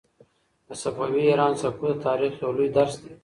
د صفوي ایران سقوط د تاریخ یو لوی درس دی.